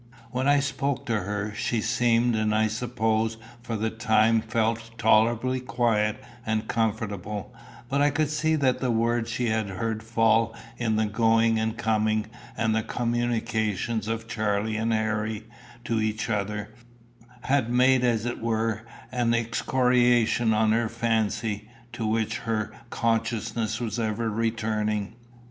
When I spoke to her, she seemed, and I suppose for the time felt tolerably quiet and comfortable; but I could see that the words she had heard fall in the going and coming, and the communications of Charlie and Harry to each other, had made as it were an excoriation on her fancy, to which her consciousness was ever returning.